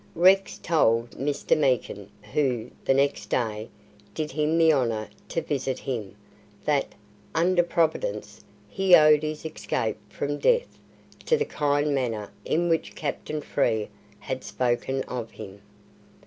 Rex told Mr. Meekin, who, the next day, did him the honour to visit him, that, "under Providence, he owed his escape from death to the kind manner in which Captain Frere had spoken of him."